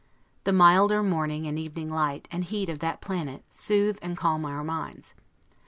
The milder morning and evening light and heat of that planet soothe and calm our minds.